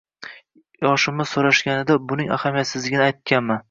Yoshimni so’rashganida buning ahamiyatsizligini aytganman.